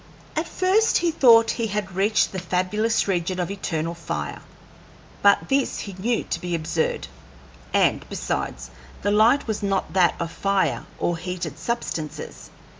At first he thought that he had reached the fabulous region of eternal fire, but this he knew to be absurd; and, besides, the light was not that of fire or heated substances.